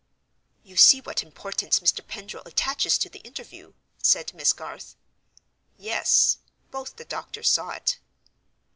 "You see what importance Mr. Pendril attaches to the interview?" said Miss Garth. Yes: both the doctors saw it.